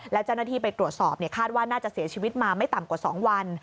แล้วเจ้าหน้าที่ไปตรวจสอบคาดว่าน่าจะเสียชีวิตมาไม่ต่ำกว่า๒วัน